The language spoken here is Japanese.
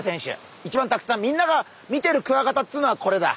みんなが見てるクワガタっつうのはこれだ。